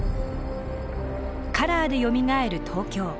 「カラーでよみがえる東京」。